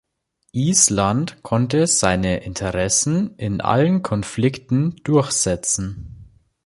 Island konnte seine Interessen in allen Konflikten durchsetzen.